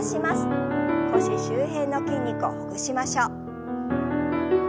腰周辺の筋肉をほぐしましょう。